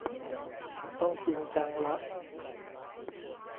ต้อง จริงจังละ